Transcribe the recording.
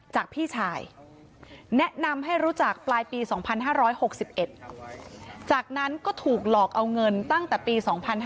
จากพี่ชายแนะนำให้รู้จักปลายปี๒๕๖๑จากนั้นก็ถูกหลอกเอาเงินตั้งแต่ปี๒๕๕๙